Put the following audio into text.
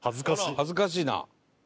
恥ずかしいな。